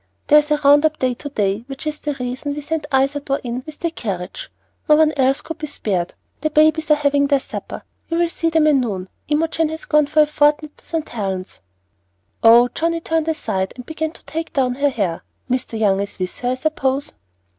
There is a round up to day, which was the reason we sent Isadore in with the carriage; no one else could be spared. The babies are having their supper, you will see them anon, and Imogen has gone for a fortnight to St. Helen's." "Oh!" Johnnie turned aside and began to take down her hair. "Mr. Young is with her, I suppose."